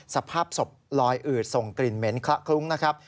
สภาพศพลอยอืดส่งกลิ่นเหม็นคละคลุ้งนะครับ